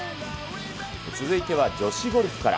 続いては女子ゴルフから。